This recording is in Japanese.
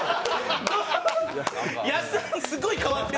すごい変わってて。